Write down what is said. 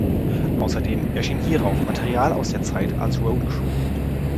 Außerdem erschien hierauf Material aus der Zeit als Road Crew.